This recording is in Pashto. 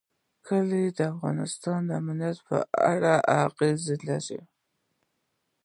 کلي د افغانستان د امنیت په اړه هم اغېز لري.